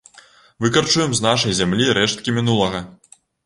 Выкарчуем з нашай зямлі рэшткі мінулага!